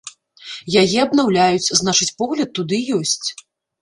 Яе абнаўляюць, значыць погляд туды ёсць.